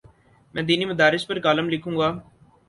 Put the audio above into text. میں دینی مدارس پر کالم لکھوں گا۔